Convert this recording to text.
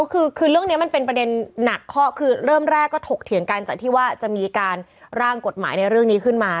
คือเรื่องนี้มันเป็นประเด็นหนักข้อคือเริ่มแรกก็ถกเถียงกันจากที่ว่าจะมีการร่างกฎหมายในเรื่องนี้ขึ้นมา